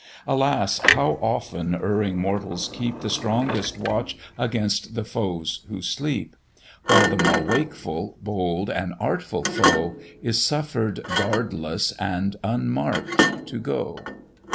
Alas! how often erring mortals keep The strongest watch against the foes who sleep; While the more wakeful, bold, and artful foe Is suffer'd guardless and unmark'd to go.